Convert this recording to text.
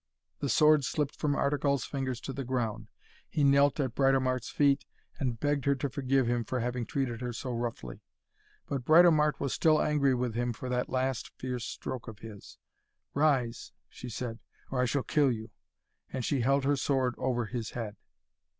The sword slipped from Artegall's fingers to the ground. He knelt at Britomart's feet and begged her to forgive him for having treated her so roughly. But Britomart was still angry with him for that last fierce stroke of his. 'Rise!' she said, 'or I shall kill you!' and she held her sword over his head.